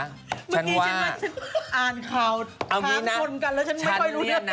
เมื่อกี้ฉันมันอ่านข่าว๓คนกันแล้วฉันไม่ค่อยรู้นะ